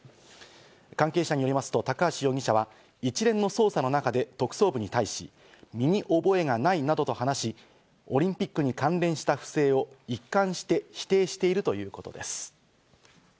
関係者によりますと、高橋容疑者は一連の捜査の中で特捜部に対し、身に覚えがないなどと話し、オリンピックに関連した不正を一貫して否定しているということです。